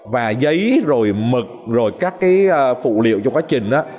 và giấy rồi mực rồi các cái phụ liệu trong quá trình đó